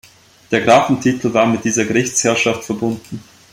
Der Grafentitel war mit dieser Gerichtsherrschaft verbunden.